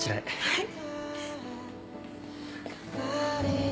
はい。